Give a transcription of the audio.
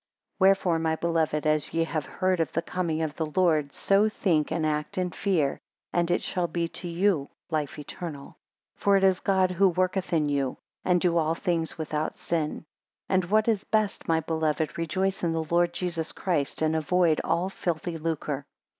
10 Wherefore, my beloved, as ye have heard of the coming of the Lord, so think and act in fear, and it shall be to you life eternal; 11 For it is God, who worketh in you: 12 And do all things without sin. 13 And what is best, my beloved rejoice in the Lord Jesus Christ and avoid all filthy lucre.